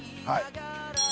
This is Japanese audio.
「はい。